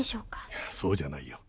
いやそうじゃないよ。